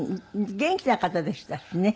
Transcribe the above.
元気な方でしたしね。